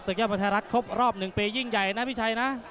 ยอดมวยไทยรัฐครบรอบ๑ปียิ่งใหญ่นะพี่ชัยนะ